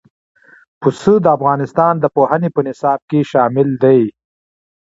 پسه د افغانستان د پوهنې په نصاب کې شامل دی.